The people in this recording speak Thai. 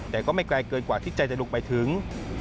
แต่ก็ไม่ไกลเกินกว่าที่ใจจะลงไปถึง